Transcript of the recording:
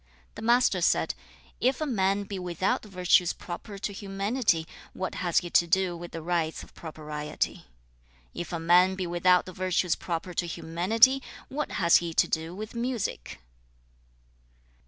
The Master said, 'If a man be without the virtues proper to humanity, what has he to do with the rites of propriety? If a man be without the virtues proper to humanity, what has he to do with music?'